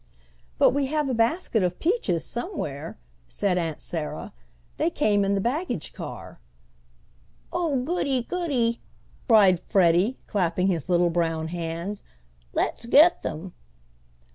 "But we have a basket of peaches somewhere," said Aunt Sarah. "They came in the baggage car." "Oh goody! goody!" cried Freddie, clapping his little brown hands. "Let's get them."